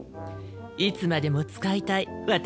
いつまでも使いたい私の宝物。